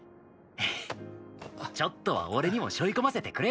ちょっとは俺にもしょいこませてくれよ。